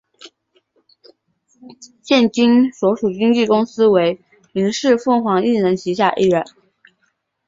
现今所属经纪公司为民视凤凰艺能旗下艺人。